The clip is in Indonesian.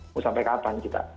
mau sampai kapan kita